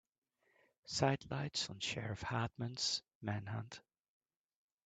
Sidelights on Sheriff Hartman's manhunt.